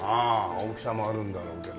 大きさもあるんだろうけど。